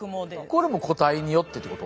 これも個体によってってこと？